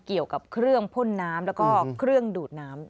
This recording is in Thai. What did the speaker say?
เกี่ยวกับเครื่องพ่นน้ำแล้วก็เครื่องดูดน้ำ